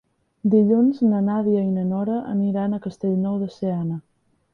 Dilluns na Nàdia i na Nora aniran a Castellnou de Seana.